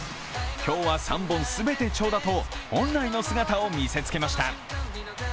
今日は３本全て長打と本来の姿を見せつけました。